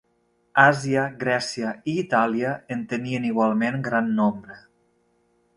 Àsia, Grècia i Itàlia, en tenien igualment gran nombre.